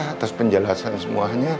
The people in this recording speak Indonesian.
atas penjelasan semuanya